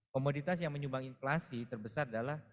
komoditas yang menyumbang inflasi terbesar adalah